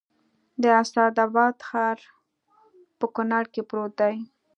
د اسداباد ښار په کونړ کې پروت دی